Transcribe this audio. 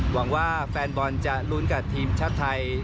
หวังว่าแฟนบอลจะลุ้นกับทีมชาติไทย